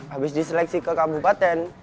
habis diseleksi ke kabupaten